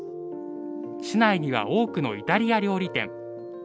市内には多くのイタリア料理店。